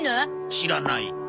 知らない。